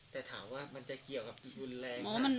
แต่ถามว่ามันจะเกี่ยวกับรุนแรงนะ